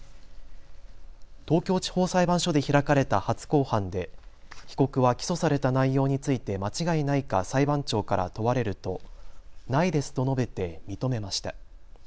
東京地方裁判所で開かれた初公判で被告は起訴された内容について間違いないか裁判長から問われるとないですと述べて認めました。